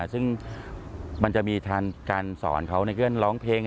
ซึ่งมันจะมีการสอนเขาในการร้องเพลง